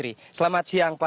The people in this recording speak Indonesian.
berhasil menjaga jalan nasional